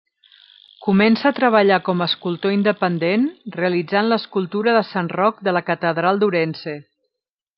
Comença a treballar com escultor independent realitzant l'escultura de Sant Roc de la catedral d'Ourense.